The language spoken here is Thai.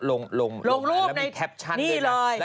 ลงรูปลงรูปมีแทปชันด้วยนะฮะ